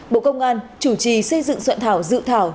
bộ công an chủ trì xây dựng soạn thảo dự thảo